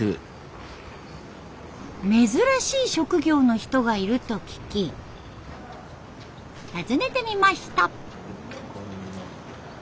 珍しい職業の人がいると聞き訪ねてみました。